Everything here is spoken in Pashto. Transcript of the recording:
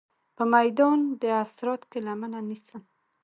په میدان د عرصات کې لمنه نیسم.